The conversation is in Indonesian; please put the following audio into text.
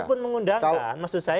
kalaupun mengundangkan maksud saya